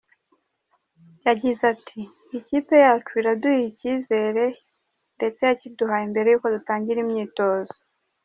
Yagize ati “Ikipe yacu iraduha icyezere ndetse yakiduhaye mbere y’uko dutangira imyitozo.